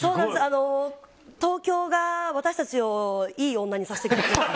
東京が私たちをいい女にさせてくれました。